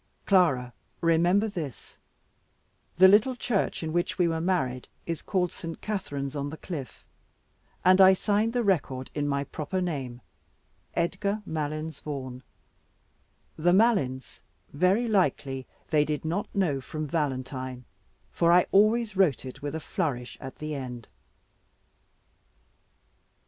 Clara, remember this: the little church in which we were married is called St. Katharine's on the cliff; and I signed the record in my proper name, Edgar Malins Vaughan: the Malins, very likely, they did not know from Valentine, for I always wrote it with a flourish at the end.